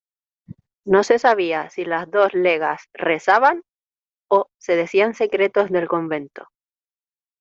no se sabía si las dos legas rezaban ó se decían secretos del convento